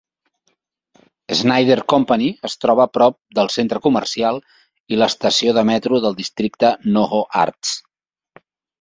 Snyder Company es troba prop del centre comercial i l'estació de metro del districte NoHo Arts.